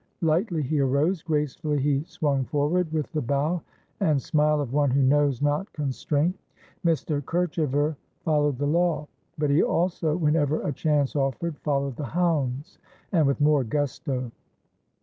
Lightly he arose, gracefully he swung forward, with the bow and smile of one who knows not constraint. Mr. Kerchever followed the law, but he also, whenever a chance offered, followed the hounds, and with more gusto.